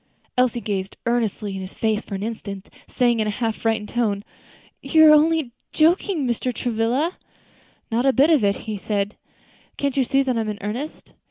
Elsie gazed earnestly in his face for an instant, saying in a half frightened tone, "You are only joking, Mr. Travilla." "Not a bit of it," said he; "can't you see that I'm in earnest?"